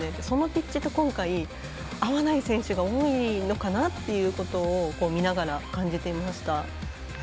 そのピッチと今回、合わない選手が多いのかなっていうことを見ながら感じていました。